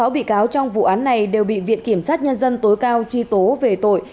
sáu bị cáo trong vụ án này đều bị viện kiểm sát nhân dân tối cao truy tố về tội